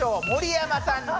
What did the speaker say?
「盛山さん」